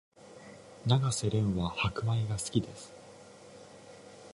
永瀬廉は白米が好きです